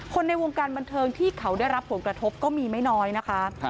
ในวงการบันเทิงที่เขาได้รับผลกระทบก็มีไม่น้อยนะคะ